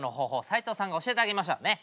斎藤さんが教えてあげましょうね。